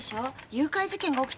誘拐事件が起きてんだよ。